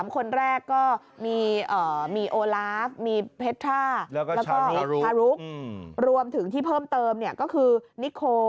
๓คนแรกก็มีโอลาฟมีเพทราแล้วก็ทารุกรวมถึงที่เพิ่มเติมก็คือนิโค